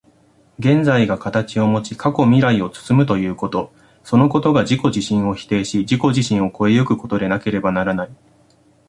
現在が形をもち、過去未来を包むということ、そのことが自己自身を否定し、自己自身を越え行くことでなければならない。